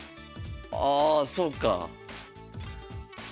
あそうか。